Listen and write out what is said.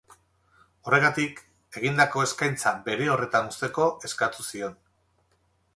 Horregatik, egindako eskaintza bere horretan uzteko eskatu zion.